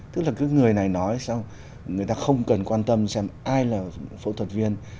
tức là cứ người này nói xong người ta không cần quan tâm xem ai là phẫu thuật viên